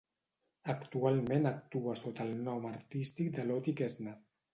Actualment actua sota el nom artístic de Lotte Kestner.